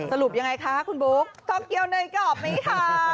สรุปยังไงคะคุณบุ๊คโตเกียวเนยกรอบไหมคะ